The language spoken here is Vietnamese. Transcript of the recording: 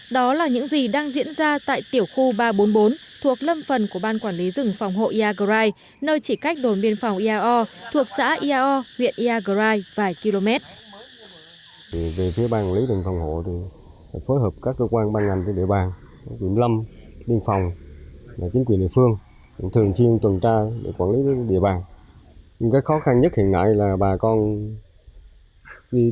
đó là những gì đang diễn ra tại tiểu khu ba trăm bốn mươi bốn thuộc lâm phần của ban quản lý rừng phòng hộ iagrai nơi chỉ cách đồn biên phòng iao thuộc xã iao huyện iagrai vài km